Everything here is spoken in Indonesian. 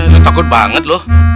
lo takut banget lo